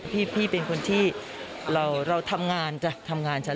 พี่เป็นคนที่เราทำงานจ้ะทำงานฉัน